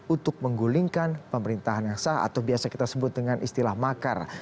untuk menggulingkan pemerintahan yang sah atau biasa kita sebut dengan istilah makar